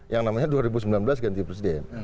yang namanya dua ribu sembilan belas ganti presiden